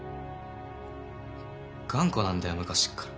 頑固なんだよ昔から。